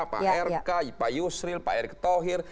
pak rk pak yusril pak erick thohir